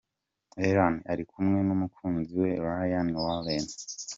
Ellen ari kumwe n’umukunzi we Ryan Warren.